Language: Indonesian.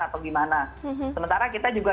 atau gimana sementara kita juga